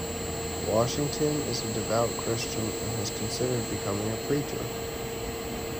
Washington is a devout Christian, and has considered becoming a preacher.